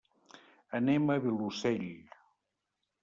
Anem al Vilosell.